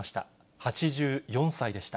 ８４歳でした。